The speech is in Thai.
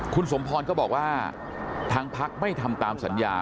คุณสมพรก็บอกว่าทางพักไม่ทำตามสัญญา